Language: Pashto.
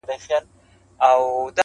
څلور پښې يې نوري پور كړې په ځغستا سوه؛